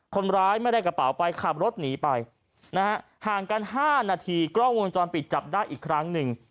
คนร้ายไม่ได้กระเป๋าไปขับรถหนีไปนะฮะห่างกัน๕นาทีกล้องวงจรปิดจับได้อีกครั้งหนึ่ง